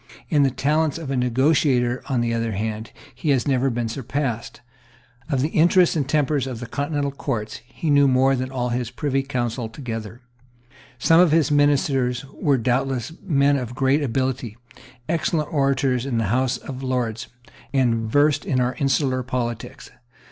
In the talents of a negotiator, on the other hand, he has never been surpassed. Of the interests and the tempers of the continental courts he knew more than all his Privy Council together. Some of his ministers were doubtless men of great ability, excellent orators in the House of Lords, and versed in our insular politics.